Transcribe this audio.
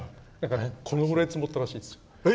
このぐらい積もったらしいですよ。